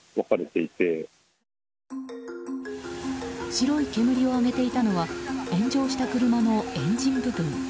白い煙を上げていたのは炎上した車のエンジン部分。